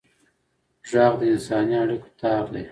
غږ د انساني اړیکو تار دی